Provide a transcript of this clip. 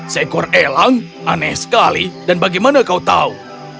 seekor elang aneh sekali dan bagaimana kau tahu